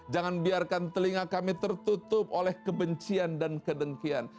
jangan biarkan telinga kami tertutup oleh kebencian dan kedengkian